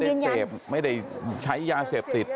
บอกตัวเองไม่ได้เสพไม่ได้ใช้ยาเสพติด